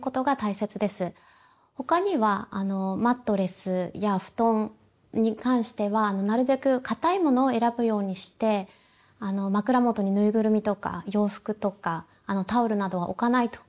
他にはマットレスや布団に関してはなるべく硬いものを選ぶようにして枕元にぬいぐるみとか洋服とかタオルなどは置かないと。